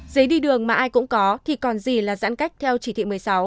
giấy đi đường mà ai cũng có thì còn gì là giãn cách theo chỉ thị một mươi sáu